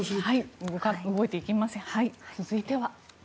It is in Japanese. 続いては。